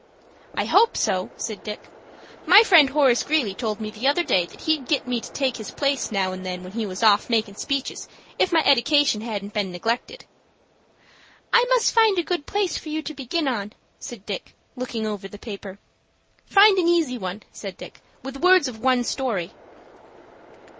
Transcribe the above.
"I hope so," said Dick. "My friend Horace Greeley told me the other day that he'd get me to take his place now and then when he was off makin' speeches if my edication hadn't been neglected." "I must find a good piece for you to begin on," said Fosdick, looking over the paper. "Find an easy one," said Dick, "with words of one story."